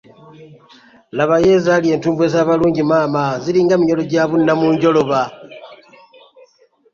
Labayo ezaali entumbwe z’abalungi maama, ziringa minyolo gya bunnamunjoloba.